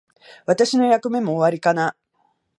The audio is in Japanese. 私の役目も終わりかな。